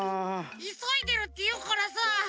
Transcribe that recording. いそいでるっていうからさ。